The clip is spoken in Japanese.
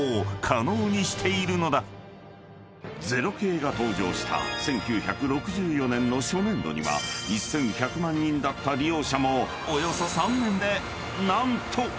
［０系が登場した１９６４年の初年度には１，１００万人だった利用者もおよそ３年で何と］